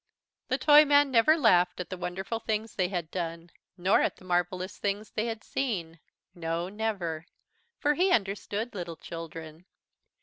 The Toyman never laughed at the wonderful things they had done, nor at the marvellous things they had seen no never, for he understood little children.